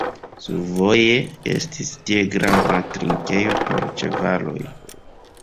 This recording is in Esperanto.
Survoje estis tie grava trinkejo por ĉevaloj.